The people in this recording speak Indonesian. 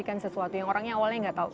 kan sesuatu yang orangnya awalnya nggak tahu